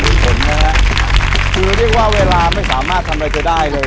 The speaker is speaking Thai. มีผลนะฮะคือเรียกว่าเวลาไม่สามารถทำอะไรไปได้เลย